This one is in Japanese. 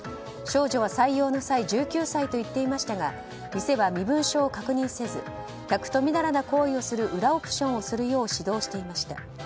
少女は採用の際１９歳と言っていましたが店は身分証を確認せず客とみだらな行為をする裏オプションをするよう指導していました。